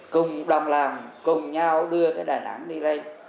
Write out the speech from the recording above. cùng đồng làm cùng nhau đưa cái đà nẵng đi lên